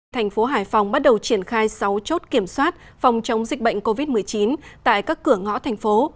thành phố hải phòng bắt đầu triển khai sáu chốt kiểm soát phòng chống dịch bệnh covid một mươi chín tại các cửa ngõ thành phố